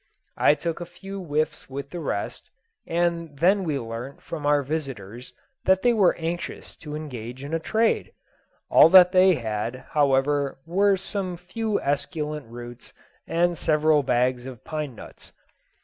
I took a few whiffs with the rest, and then we learnt from our visiters that they were anxious to engage in a trade. All that they had, however, were some few esculent roots and several bags of pine nuts.